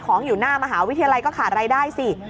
ก็ไม่มีอำนาจ